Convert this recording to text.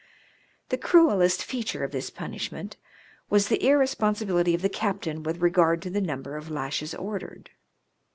* The cruellest feature of this punishment was the irrespon sibility of the captain with regard to the number of lashes ordered.